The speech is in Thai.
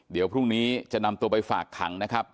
เดี๋ยวพรุ่งนี้จะนำตัวไปฝากขังนะครับ